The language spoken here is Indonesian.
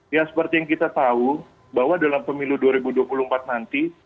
ya seperti yang kita tahu bahwa dalam pemilu dua ribu dua puluh empat nanti